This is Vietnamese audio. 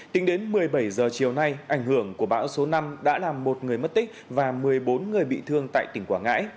tính đến một mươi bảy h chiều nay ảnh hưởng của bão số năm đã làm một người mất tích và một mươi bốn người bị thương tại tỉnh quảng ngãi